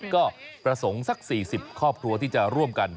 ก็ประสงค์สัก๔๐ครอบครัวที่จะร่วมกัน